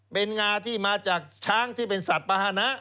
เป็นงาที่มาจากช้างที่เป็นสัตว์ปาหนะ